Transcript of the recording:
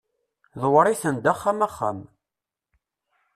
ḍewwer-iten-d axxam axxam